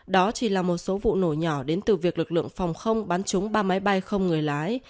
đó chỉ là một số vụ nổ nhỏ đến từ việc lực lượng phòng không bắn chúng ba máy bay không người lái